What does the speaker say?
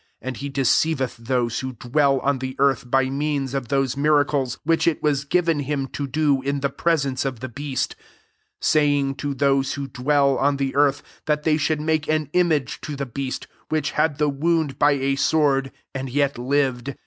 14 And he deceiveth those who dwell on the earth by means of those miracles which it was given him to do in the presence of the beast; saying to those who dwell on the earth, that they should make an image to the bea^t which had the wound by a sword and yet lived.